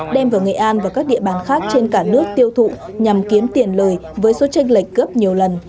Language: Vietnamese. đem vào nghệ an và các địa bàn khác trên cả nước tiêu thụ nhằm kiếm tiền lời với số tranh lệch gấp nhiều lần